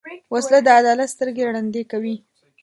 وسله د عدالت سترګې ړندې کوي